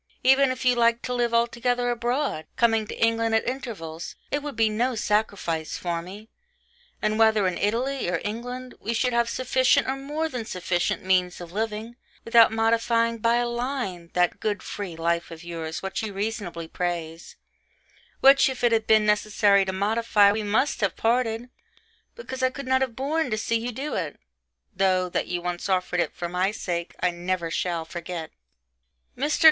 Even if you liked to live altogether abroad, coming to England at intervals, it would be no sacrifice for me and whether in Italy or England, we should have sufficient or more than sufficient means of living, without modifying by a line that 'good free life' of yours which you reasonably praise which, if it had been necessary to modify, we must have parted, ... because I could not have borne to see you do it; though, that you once offered it for my sake, I never shall forget. Mr.